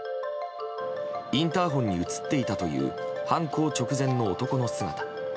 インターホンに映っていたという犯行直前の男の姿。